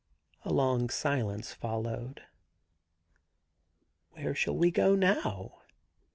A long silence followed. * Where shall we go now?'